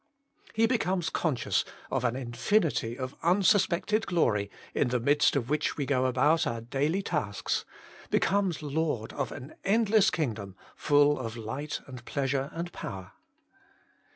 * He becomes conscious of an infinity of unsuspected glory in the midst of which we go about our daily tasks, becomes lord of an endless kingdom full of light and pleasure and power.'